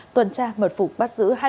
tuần tra mật phục bắt giữ hai đối tượng